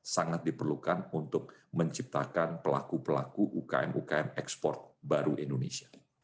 sangat diperlukan untuk menciptakan pelaku pelaku ukm ukm ekspor baru indonesia